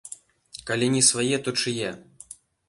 Калі не свае, то чые?